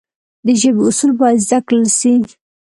د ژبي اصول باید زده کړل سي.